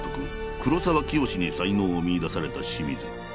黒沢清に才能を見いだされた清水。